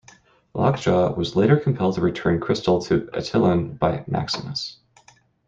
Lockjaw was later compelled to return Crystal to Attilan by Maximus.